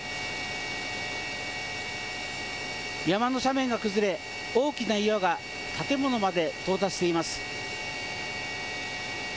山の斜面が崩れ、大きな岩が建物まで到達しています。